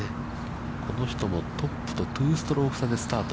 この人もトップと２ストローク差でスタート。